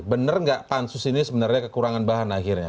benar nggak pansus ini sebenarnya kekurangan bahan akhirnya